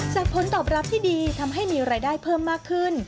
ผลตอบรับที่ดีทำให้มีรายได้เพิ่มมากขึ้น